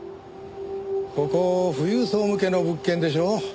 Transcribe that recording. ここ富裕層向けの物件でしょ？